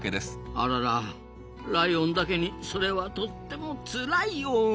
あららライオンだけにそれはとってもつらいおん。